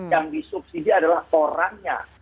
yang disubsidi adalah orangnya